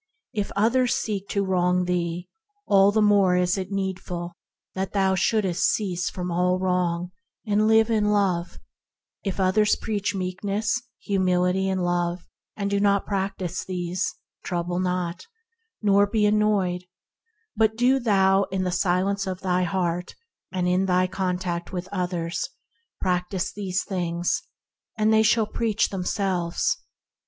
If others seek to wrong thee, all the more is it needful that thou shouldst cease from all wrong, and live in love; if others preach Meekness, humility, and love, and do not practise these, trouble not, nor be annoyed; but do thou in the silence of thy heart and in thy contact with others practise these things, and they shall preach them selves.